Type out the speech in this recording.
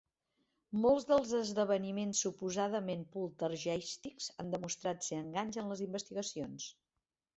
Molts dels esdeveniments suposadament poltergeístics han demostrat ser enganys en les investigacions.